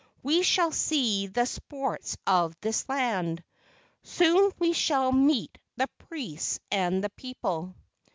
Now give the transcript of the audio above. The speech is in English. We shall see the sports of this land. Soon we shall meet the priests and the people."